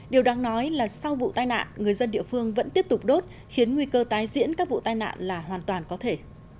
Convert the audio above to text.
điều đáng nói là sau vụ tai nạn người dân địa phương vẫn tiếp tục đốt khiến nguy cơ tái diễn các vụ tai nạn là hoàn toàn có thể